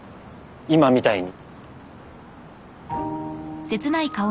今みたいに。